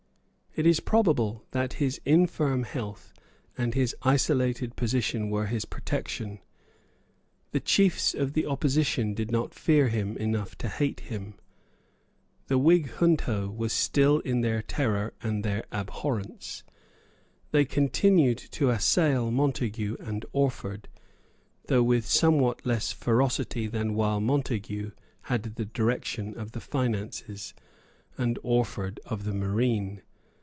It is probable that his infirm health and his isolated position were his protection. The chiefs of the opposition did not fear him enough to hate him. The Whig junto was still their terror and their abhorrence. They continued to assail Montague and Orford, though with somewhat less ferocity than while Montague had the direction of the finances, and Orford of the marine.